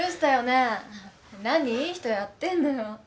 何いい人やってんだよ？